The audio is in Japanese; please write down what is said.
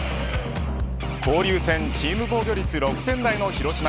交流戦チーム防御率６点台の広島。